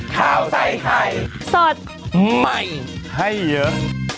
ข้าวใส่ไข่สดใหม่ให้เยอะ